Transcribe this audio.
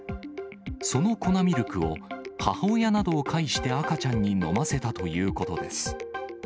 その粉ミルクを母親などを介して赤ちゃんに飲ませたということです。